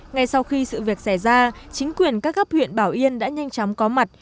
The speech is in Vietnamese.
ngay sau khi sự việc xảy ra chính quyền các gấp huyện bảo yên đã nhanh chóng có mặt